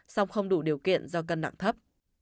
song không đủ điều kiện do cân nặng thấp